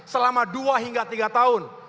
selama dua hingga tiga tahun